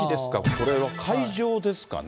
これは海上ですかね。